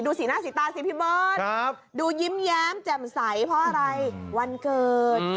สีหน้าสีตาสิพี่เบิร์ตดูยิ้มแย้มแจ่มใสเพราะอะไรวันเกิด